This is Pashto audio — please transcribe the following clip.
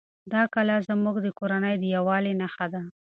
دا کلا زموږ د کورنۍ د یووالي نښه ده.